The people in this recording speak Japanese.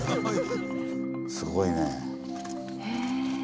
すごいね。